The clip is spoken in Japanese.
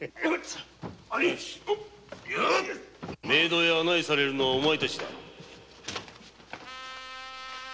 ・冥途へ案内されるのはお前たちだ。